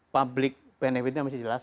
public benefit nya masih jelas